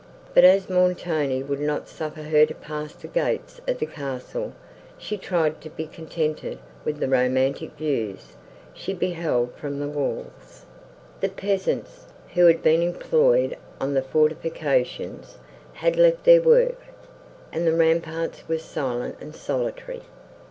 But, as Montoni would not suffer her to pass the gates of the castle, she tried to be contented with the romantic views she beheld from the walls. The peasants, who had been employed on the fortifications, had left their work, and the ramparts were silent and solitary.